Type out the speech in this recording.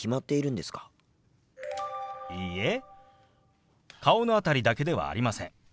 いいえ顔の辺りだけではありません。